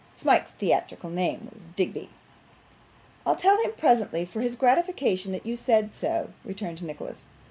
(Smike's theatrical name was Digby.) 'I'll tell him presently, for his gratification, that you said so,' returned Nicholas.